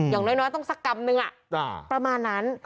อย่างน้อยต้องสักกรัมนึงประมาณนั้น